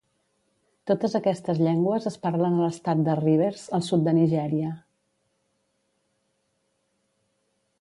Totes aquestes llengües es parlen a l'estat de Rivers, al sud de Nigèria.